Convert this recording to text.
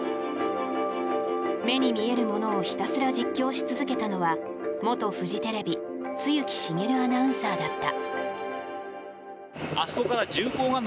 目に見えるものをひたすら実況し続けたのは元フジテレビ露木茂アナウンサーだった。